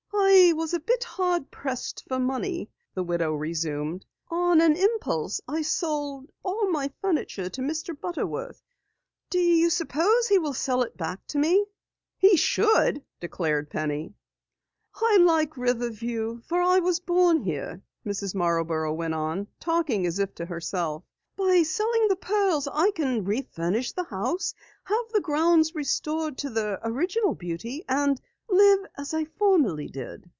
"I was a bit hard pressed for money," the widow resumed. "On an impulse I sold all my furniture to Mr. Butterworth. Do you suppose he will sell it back to me?" "He should," declared Penny. "I like Riverview for I was born here," Mrs. Marborough went on, talking as if to herself. "By selling the pearls I can refurnish the house, have the grounds restored to their original beauty, and live as I formerly did!"